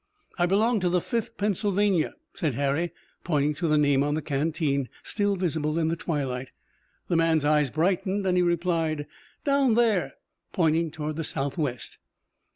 "I belong to the Fifth Pennsylvania," said Harry, pointing to the name on the canteen, still visible in the twilight. The man's eyes brightened and he replied: "Down there," pointing toward the southwest.